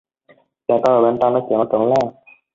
Để tôi vào bên trong nói chuyện với trưởng làng